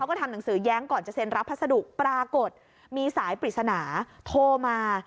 แล้วก็ทำหนังสือแย้งก่อนจะเซ็นรับพัสดุปรากฏมีสายปริศนาโทรมา